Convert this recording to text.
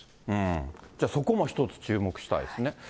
じゃあ、そこも一つ注目したいですね。